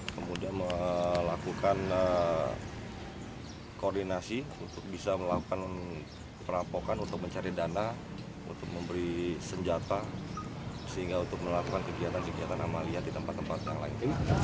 kemudian melakukan koordinasi untuk bisa melakukan perapokan untuk mencari dana untuk memberi senjata sehingga untuk melakukan kegiatan kegiatan amalia di tempat tempat yang lain